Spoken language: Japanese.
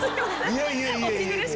いやいや。